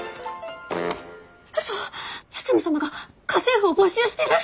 ウソ八海サマが家政婦を募集してる！？